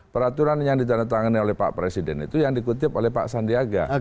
peraturan yang ditandatangani oleh pak presiden itu yang dikutip oleh pak sandiaga